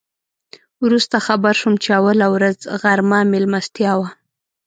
وروسته خبر شوم چې اوله ورځ غرمه میلمستیا وه.